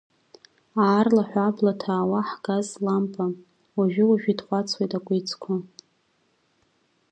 Аарлаҳәа абла ҭаауеит ҳгаз лампа, уажәы-уажәы итҟәацуеит акәицқәа.